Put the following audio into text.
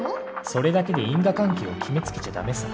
それだけで因果関係を決めつけちゃ駄目さ。